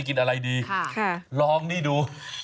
กินอะไรดีลองนี่ดู